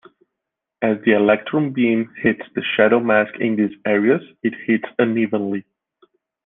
As the electron beam hits the shadow mask in these areas it heats unevenly.